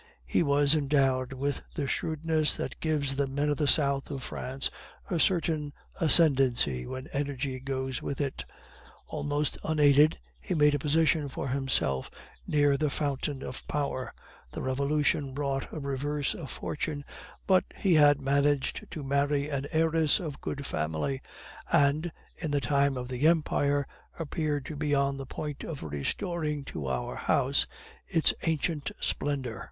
He was endowed with the shrewdness that gives the men of the south of France a certain ascendency when energy goes with it. Almost unaided, he made a position for himself near the fountain of power. The revolution brought a reverse of fortune, but he had managed to marry an heiress of good family, and, in the time of the Empire, appeared to be on the point of restoring to our house its ancient splendor.